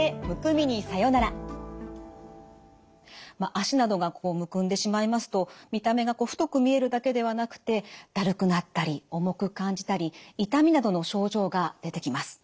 脚などがむくんでしまいますと見た目が太く見えるだけではなくてだるくなったり重く感じたり痛みなどの症状が出てきます。